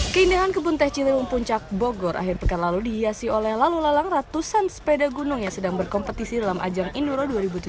keindahan kebun teh ciliwung puncak bogor akhir pekan lalu dihiasi oleh lalu lalang ratusan sepeda gunung yang sedang berkompetisi dalam ajang indoro dua ribu tujuh belas